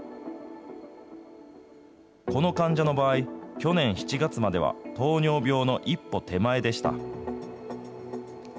この患者の場合、去年７月までは糖尿病の一歩手前でした。